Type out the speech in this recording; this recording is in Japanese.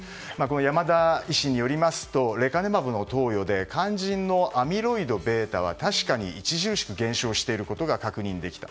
山田医師によりますとレカネマブの投与で肝心のアミロイドβは確かに著しく減少していることが確認できた。